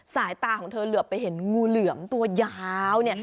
สายตาของเธอเหลือไปเห็นงูเหลือมตัวยาวเนี่ย